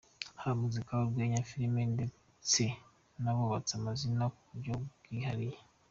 Haba muzika, urwenya, filime, ndetse n’abubatse amazina mu buryo bwihariye.